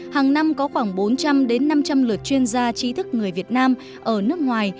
hàng năm có khoảng bốn trăm linh năm trăm linh lượt chuyên gia trí thức người việt nam ở nước ngoài